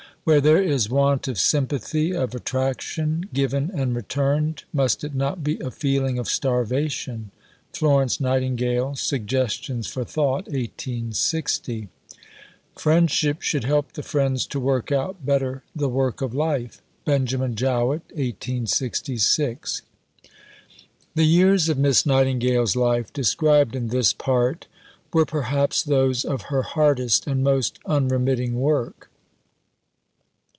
Where there is want of sympathy, of attraction, given and returned, must it not be a feeling of starvation? FLORENCE NIGHTINGALE: Suggestions for Thought (1860). Friendship should help the friends to work out better the work of life. BENJAMIN JOWETT (1866). The years of Miss Nightingale's life, described in this Part, were perhaps those of her hardest and most unremitting work.